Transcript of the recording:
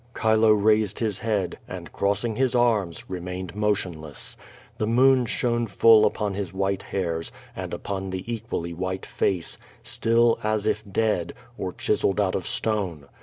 Chilo raised his head, and, crossing his arms, remained motionless. The moon shone full upon his white hairs and upon the equally white face, still, as if dead, or chiselled out of stone.